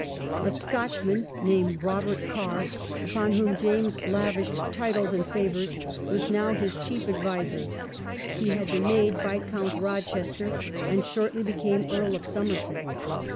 A Scotchman named Robert Carr, upon whom James lavished titles and favours, was now his chief adviser. Carr and the He had been made Viscount Rochester, and Spanish party, shortly became Earl of Somerset.